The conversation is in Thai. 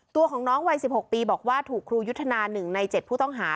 ตัวของน้องวัย๑๖ปีบอกว่าถูกครูยุทธนา๑ใน๗ผู้ต้องหา